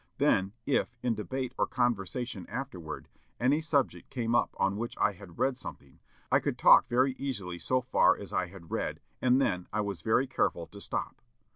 Then, if, in debate or conversation afterward, any subject came up on which I had read something, I could talk very easily so far as I had read, and then I was very careful to stop."